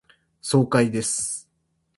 爽快です。